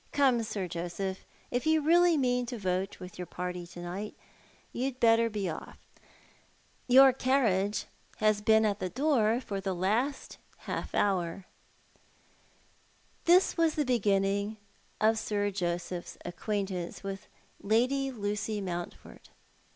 Come, Sir Joseph, if you really mean to vote with your party to night, you'd better be off. Your carriage has been at the door for the last half hour." This was the beginning of Sir Joseph's acquaintance with Lady Lucy Mountford.